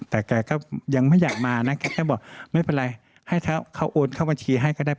แต่แกก็ยังไม่อยากมานะแกก็บอกไม่เป็นไรให้เขาโอนเข้าบัญชีให้ก็ได้